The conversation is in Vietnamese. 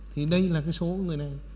thì đây là cái số người này